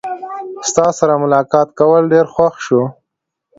ستاسو سره ملاقات کول ډیر خوښ شو.